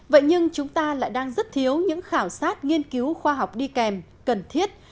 vậy nhưng chúng ta lại đang rất thiếu những khảo sát nghiên cứu khoa học đi kèm cần thiết